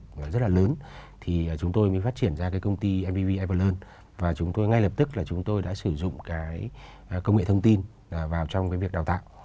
trong một thời gian rất là lớn thì chúng tôi mới phát triển ra công ty mvv evalon và chúng tôi ngay lập tức là chúng tôi đã sử dụng công nghệ thông tin vào trong việc đào tạo